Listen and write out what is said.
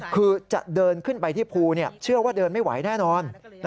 คือจะเดินขึ้นไปที่ภูเชื่อว่าเดินไม่ไหวแน่นอน